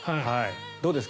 どうですか？